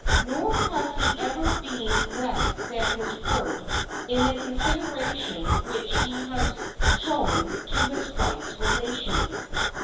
Nor has he ever been less than his word in the consideration which he has shown to his wife's relations.